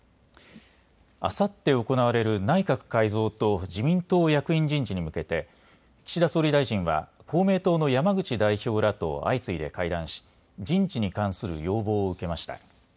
あさって行われる内閣改造と自民党役員人事に向けて岸田総理大臣は公明党の山口代表らと相次いで会談し人事に関する要望を受けました。